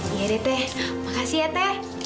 iya deh teh makasih ya teh